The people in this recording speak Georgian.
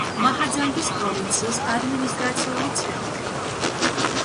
მაჰაძანგის პროვინციის ადმინისტრაციული ცენტრი.